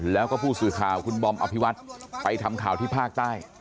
แล้วก็ผู้สื่อข่าวคุณบอมอภิวัตไปทำข่าวที่ภาคใต้